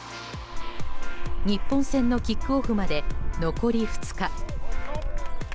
日本戦のキックオフまで残り２日。